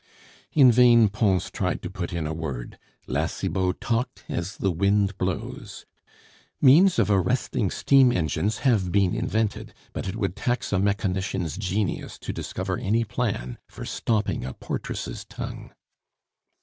In vain Pons tried to put in a word; La Cibot talked as the wind blows. Means of arresting steam engines have been invented, but it would tax a mechanician's genius to discover any plan for stopping a portress' tongue.